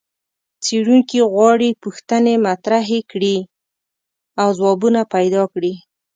څېړونکي غواړي پوښتنې مطرحې کړي او ځوابونه پیدا کړي.